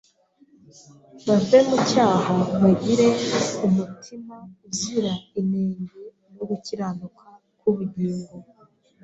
bave mu cyaha bagire umutima uzira inenge no gukiranuka k’ubugingo.